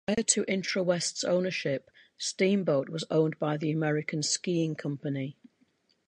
Prior to Intrawest's ownership, Steamboat was owned by the American Skiing Company.